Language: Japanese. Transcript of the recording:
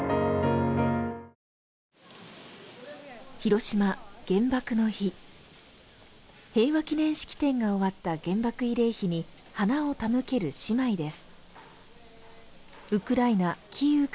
広島原爆の日平和記念式典が終わった原爆慰霊碑に花を手向ける姉妹です